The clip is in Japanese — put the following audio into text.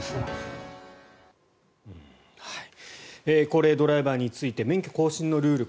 高齢ドライバーについて免許更新のルール